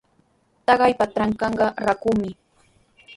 Taytaapa trankanqa rakumi.